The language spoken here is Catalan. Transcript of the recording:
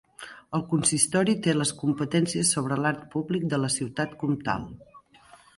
El Consistori té les competències sobre l'art públic de la Ciutat Comtal.